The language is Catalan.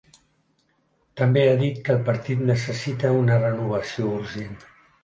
També ha dit que el partit necessita una ‘renovació urgent’.